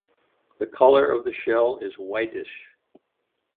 The colour of the shell is whitish.